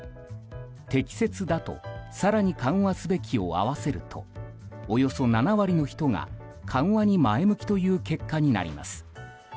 適切だと更に緩和すべきを合わせるとおよそ７割の人が、緩和に前向きという結果になります。